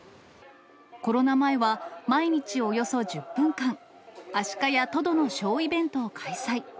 コロナ前は、毎日およそ１０分間、アシカやトドのショーイベントを開催。